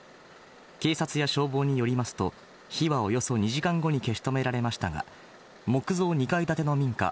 警察や消防によりますと、火はおよそ２時間後に消し止められましたが、木造２階建ての民家